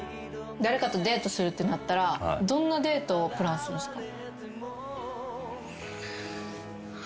誰かとデートするってなったらどんなデートをプランするんですか？